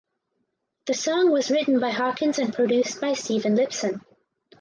The song was written by Hawkins and produced by Stephen Lipson.